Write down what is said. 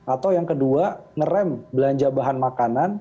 atau yang kedua nge rem belanja bahan makanan